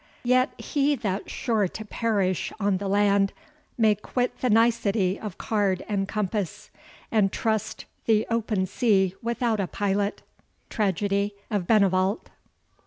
Yet he that's sure to perish on the land May quit the nicety of card and compass, And trust the open sea without a pilot. TRAGEDY OF BENNOVALT.